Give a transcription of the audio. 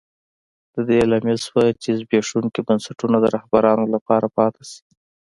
د دې لامل شوه چې زبېښونکي بنسټونه د رهبرانو لپاره پاتې شي.